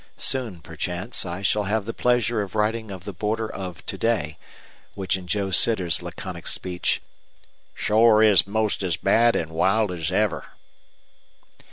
Soon, perchance, I shall have the pleasure of writing of the border of to day, which in Joe Sitter's laconic speech, "Shore is 'most as bad an' wild as ever!"